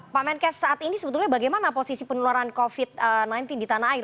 pak menkes saat ini sebetulnya bagaimana posisi penularan covid sembilan belas di tanah air